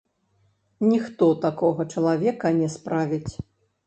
Ніхто такога чалавека не справіць.